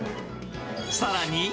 さらに。